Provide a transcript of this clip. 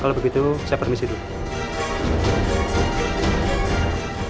kalau begitu saya permisi dulu